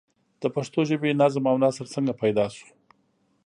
د پښتو ژبې نظم او نثر څنگه پيدا شو؟